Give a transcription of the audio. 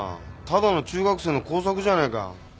ただの中学生の工作じゃねえか。